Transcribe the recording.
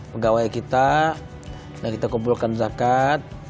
pegawai kita nah kita kumpulkan zakat